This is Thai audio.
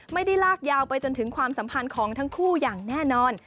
ไม่ได้ลากยาวไปจนถึงความสัมพันธ์ของทั้งคู่อย่างแน่นอน